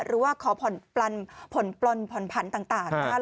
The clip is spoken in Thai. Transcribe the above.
หรือว่าขอผลปลลลผลปลลผลพันธุ์ต่างนะครับ